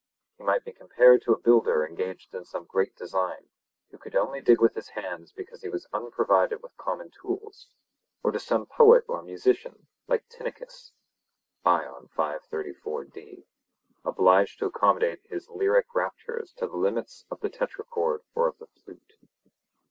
He might be compared to a builder engaged in some great design, who could only dig with his hands because he was unprovided with common tools; or to some poet or musician, like Tynnichus (Ion), obliged to accommodate his lyric raptures to the limits of the tetrachord or of the flute.